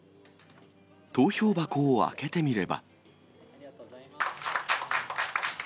投票箱を開けてみれば。